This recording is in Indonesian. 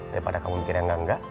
daripada kamu mikir yang enggak enggak